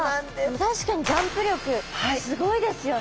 確かにジャンプ力すごいですよね！